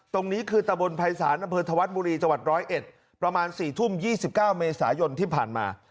ตรงนี้คือตะบนภัยศาลอำเภอธวัฒน์บุรีจังหวัด๑๐๑ประมาณ๔ทุ่ม๒๙เมษายนที่ผ่านมา